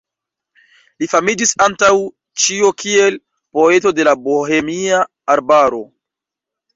Li famiĝis antaŭ ĉio kiel "poeto de la Bohemia arbaro".